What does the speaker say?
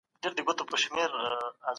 په تېر وخت کي خلکو زيات کار په لاس کوی.